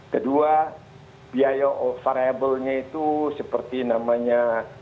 kedua biaya operasionalnya itu seperti namanya